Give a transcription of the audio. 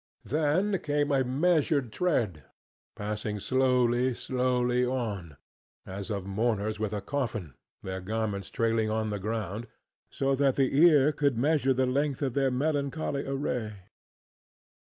Then came a measured tread, passing slowly, slowly on, as of mourners with a coffin, their garments trailing on the ground, so that the ear could measure the length of their melancholy array.